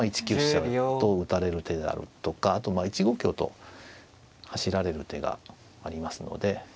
１九飛車と打たれる手であるとかあと１五香と走られる手がありますので。